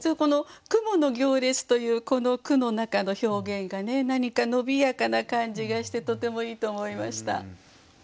「雲の行列」というこの句の中の表現がね何か伸びやかな感じがしてとてもいいと思いました。